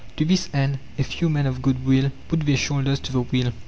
To this end a few men of goodwill put their shoulders to the wheel.